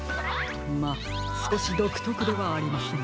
まあすこしどくとくではありますが。